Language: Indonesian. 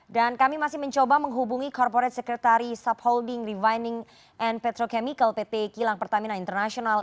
dan kami masih mencoba menghubungi corporate secretary subholding revining and petrochemical pt kilang pertamina international